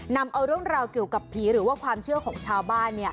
นำเอาเรื่องราวเกี่ยวกับผีหรือว่าความเชื่อของชาวบ้าน